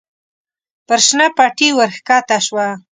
پر شنه پټي ور کښته شوه.